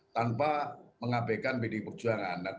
tanpa menghapikan bdi perjuangan